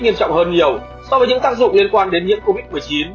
nghiêm trọng hơn nhiều so với những tác dụng liên quan đến nhiễm covid một mươi chín